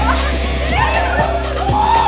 mau gelap ya